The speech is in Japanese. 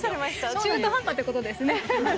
中途半端ってことですね。